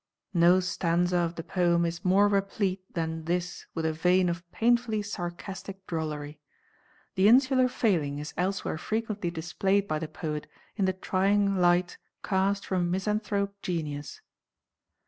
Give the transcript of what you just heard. No stanza of the poem is more replete than this with a vein of painfully sarcastic drollery. The insular failing is elsewhere frequently displayed by the poet in the trying light cast from a misanthrope genius.